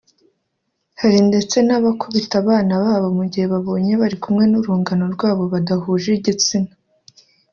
Hari ndetse n’abakubita abana babo mu gihe babonye bari kumwe n’urungano rwabo badahuje igitsina